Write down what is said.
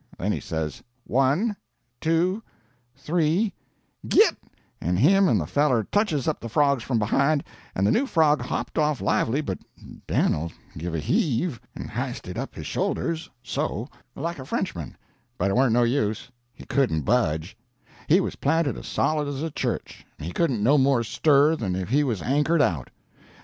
Then he says, 'One two three git' and him and the feller touches up the frogs from behind, and the new frog hopped off lively but Dan'l give a heave, and hysted up his shoulders so like a Frenchman, but it warn't no use he couldn't budge; he was planted as solid as a church, and he couldn't no more stir than if he was anchored out.